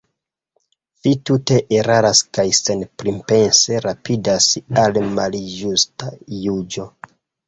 Vi tute eraras kaj senpripense rapidas al malĝusta juĝo.